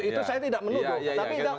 itu saya tidak menurut